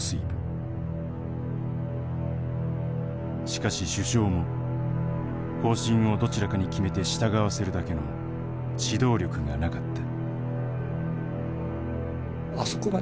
しかし首相も方針をどちらかに決めて従わせるだけの指導力がなかった。